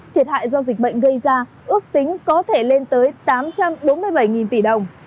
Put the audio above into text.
thiệt hại do dịch bệnh gây ra ước tính có thể lên tới tám trăm bốn mươi bảy tỷ đồng